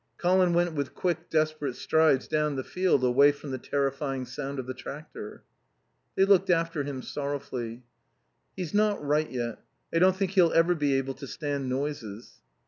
Colin went with quick, desperate strides down the field away from the terrifying sound of the tractor. They looked after him sorrowfully. "He's not right yet. I don't think he'll ever be able to stand noises."